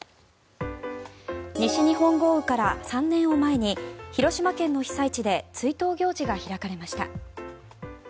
西日本豪雨から３年を前に広島県の被災地で追悼行事が開かれました。